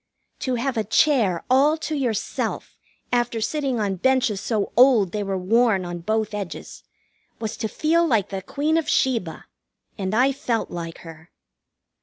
To have a chair all to yourself, after sitting on benches so old they were worn on both edges, was to feel like the Queen of Sheba, and I felt like her.